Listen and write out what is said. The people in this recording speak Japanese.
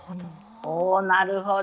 なるほど。